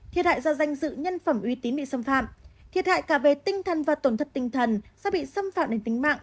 thiệt hại do danh dự nhân phẩm uy tín bị xâm phạm thiệt hại cả về tinh thần và tổn thất tinh thần do bị xâm phạm đến tính mạng